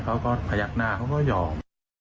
เขาก็พยักหน้าเขาก็ยอม